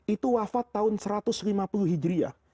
itu wafat tahun satu ratus lima puluh hijriah